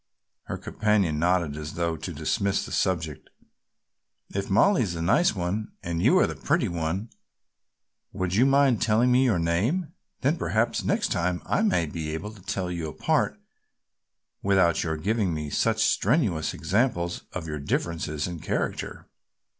Her companion nodded as though to dismiss the subject. "If Mollie is the nice one and the pretty one, would you mind telling me your name, then perhaps next time I may be able to tell you apart without your giving me such strenuous examples of your differences in character."